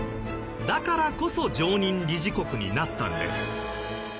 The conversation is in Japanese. だからこそ常任理事国になったんです。